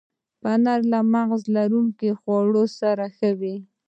پنېر له مغز لرونکو خواړو سره ښه وي.